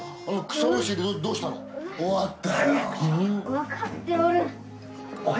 わかっておる。